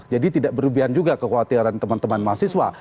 jadi tidak berlebihan juga kekhawatiran teman teman mahasiswa